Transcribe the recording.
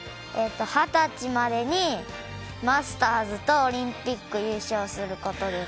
二十歳までにマスターズとオリンピック優勝することです。